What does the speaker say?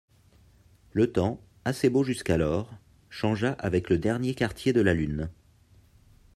Le temps, assez beau jusqu’alors, changea avec le dernier quartier de la lune.